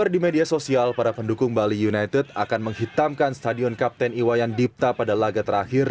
di media sosial para pendukung bali united akan menghitamkan stadion kapten iwayan dipta pada laga terakhir